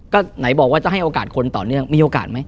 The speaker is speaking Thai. ก็ไหนบอกว่าจะให้โอกาสคนต่อเนื่องมีโอกาสไหม